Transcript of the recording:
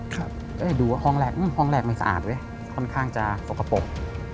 ก็เลยดูว่าห้องแรกห้องแรกไม่สะอาดเว้ยค่อนข้างจะสกปรก